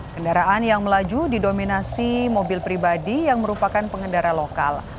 kendaraan yang melaju didominasi mobil pribadi yang merupakan pengendara lokal